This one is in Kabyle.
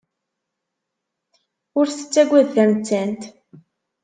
Ur tettagad tamettant.